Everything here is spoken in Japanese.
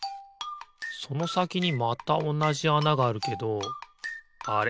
そのさきにまたおなじあながあるけどあれ？